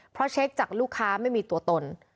เพราะเช็คจากลูกค้าไม่มีตัวตน